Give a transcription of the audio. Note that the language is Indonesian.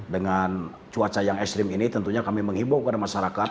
dengan cuaca yang ekstrim ini tentunya kami menghimbau kepada masyarakat